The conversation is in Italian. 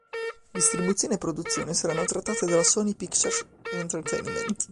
Distribuzione e produzione saranno trattate dalla Sony Pictures Entertainment.